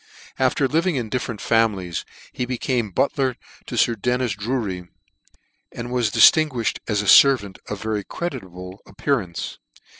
After living in different families, he became butler to Sir Dennis Dutry, and was diftinguifhed as a fervant of very creditable appearance.